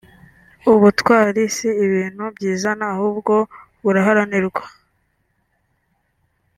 ubutwari si ibintu byizana ahubwo buraharanirwa